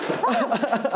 ハハハハ！